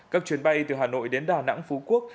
các chuyến bay từ hà nội đến đà nẵng phú quốc